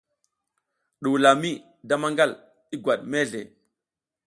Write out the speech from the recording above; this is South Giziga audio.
Ɗuwula mi da maƞgal, i ngwat mezle.